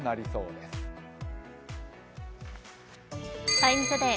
「ＴＩＭＥ，ＴＯＤＡＹ」